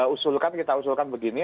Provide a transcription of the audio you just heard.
usulkan kita usulkan begini